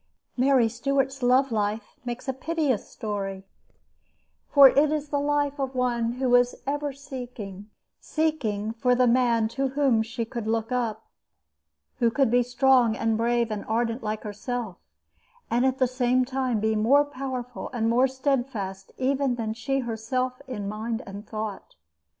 Mary Stuart's love life makes a piteous story, for it is the life of one who was ever seeking seeking for the man to whom she could look up, who could be strong and brave and ardent like herself, and at the same time be more powerful and more steadfast even than she herself in mind and thought.